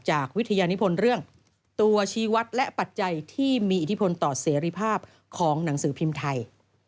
วิทยานิพลเรื่องตัวชีวัตรและปัจจัยที่มีอิทธิพลต่อเสรีภาพของหนังสือพิมพ์ไทย